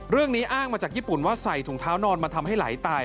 เรื่องนี้อ้างมาจากญี่ปุ่นว่าใส่ถุงเท้านอนมาทำให้ไหลตาย